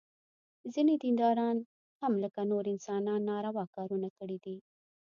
ځینې دینداران هم لکه نور انسانان ناروا کارونه کړي دي.